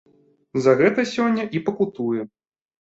За гэта сёння і пакутуе.